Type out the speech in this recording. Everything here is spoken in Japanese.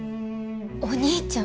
お兄ちゃん！？